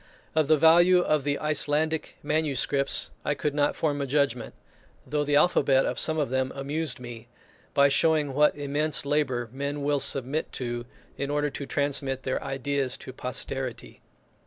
Of the value of the Icelandic manuscripts I could not form a judgment, though the alphabet of some of them amused me, by showing what immense labour men will submit to, in order to transmit their ideas to posterity.